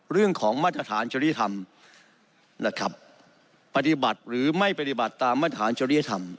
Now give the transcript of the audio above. เรื่องของมาตรฐานจริยธรรมนะครับปฏิบัติหรือไม่ปฏิบัติตามมาตรฐานจริยธรรม